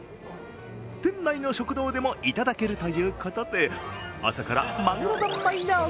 店内の食堂でも頂けるということで、朝からマグロ三昧なお